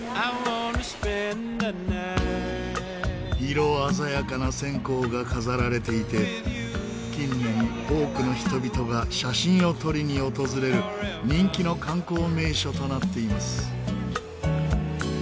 色鮮やかな線香が飾られていて近年多くの人々が写真を撮りに訪れる人気の観光名所となっています。